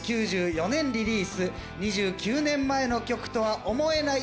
２９年前の曲とは思えない